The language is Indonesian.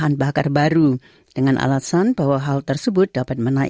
dan juga di penelitian aplikasi kami